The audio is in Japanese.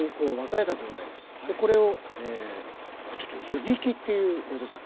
これをちょっと湯びきっていう後藤さん